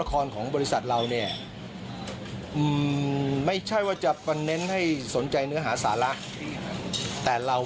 คุณขออนุญาตค่ะมองผ่านพิโรงและผู้บริหารของเรา